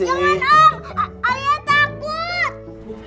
jangan om alia cabut